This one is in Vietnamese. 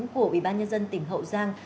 của ủy ban nhân dân tỉnh hậu giang